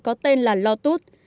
có tên là lotus